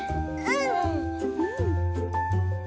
うん。